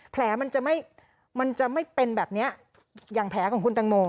แผลมันจะไม่มันจะไม่เป็นแบบนี้อย่างแผลของคุณตังโม